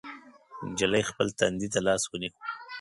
نجلۍ خپل تندي ته لاس ونيو.